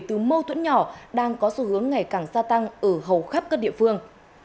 từ mâu thuẫn nhỏ đang có xu hướng ngày càng gia tăng ở hầu khắp các địa phương